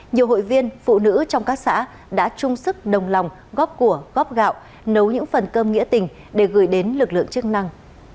nhiều hội viên phụ nữ trong các xã đã chung sức đồng lòng góp của góp gạo nấu những phần cơm nghĩa tình để gửi đến lực lượng chức năng